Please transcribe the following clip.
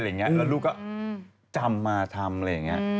และลูกก็จำมาทำ